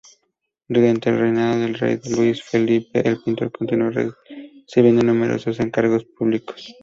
Durante el reinado del rey Luis Felipe el pintor continuó recibir numerosos encargos públicos.